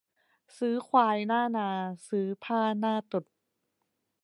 ซื้อควายหน้านา ซื้อผ้าหน้าตรุษ